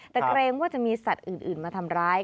แต่เกรงว่าจะมีสัตว์อื่นมาทำร้าย